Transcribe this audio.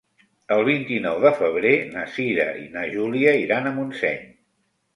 El vint-i-nou de febrer na Cira i na Júlia iran a Montseny.